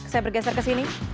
saya bergeser ke sini